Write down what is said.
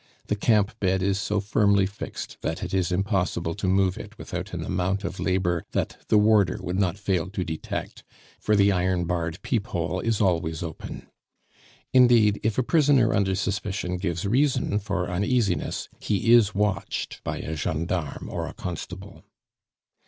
The camp bed is so firmly fixed that it is impossible to move it without an amount of labor that the warder would not fail to detect, for the iron barred peephole is always open. Indeed, if a prisoner under suspicion gives reason for uneasiness, he is watched by a gendarme or a constable.